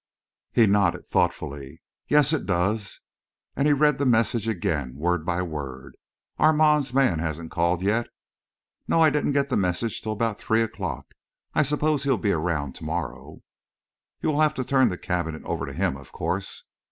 He nodded thoughtfully. "Yes, it does," and he read the message again, word by word. "Armand's man hasn't called yet?" "No, I didn't get the message till about three o'clock. I suppose he'll be around to morrow." "You will have to turn the cabinet over to him, of course?"